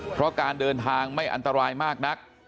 เพราะการเดินทางไม่อันตรายมากนัก